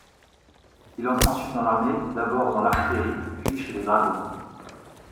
Il entre ensuite dans l'armée, d'abord dans l'artillerie puis chez les dragons.